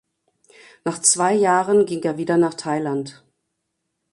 Nach zwei Jahren ging er wieder nach Thailand.